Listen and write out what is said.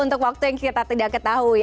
untuk waktu yang kita tidak ketahui